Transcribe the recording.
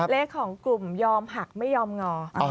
เลขของกลุ่มยอมหักไม่ยอมงอ